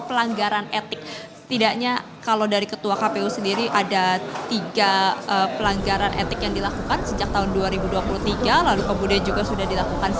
pembahasan yang tidak terkait dengan dpr